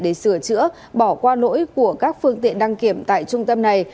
để sửa chữa bỏ qua lỗi của các phương tiện đăng kiểm tại trung tâm này